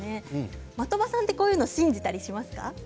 的場さんって、こういうのを信じたりしますか？